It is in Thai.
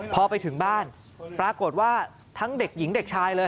พอไปถึงบ้านปรากฏว่าทั้งเด็กหญิงเด็กชายเลย